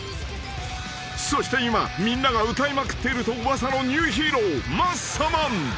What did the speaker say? ［そして今みんなが歌いまくっていると噂のニューヒーローマッサマン］